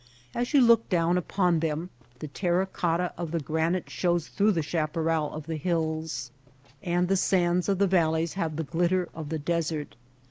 As you look down upon them the terra cotta of the granite shows through the chaparral of the hills ; and the sands of the valleys have the glitter of the desert.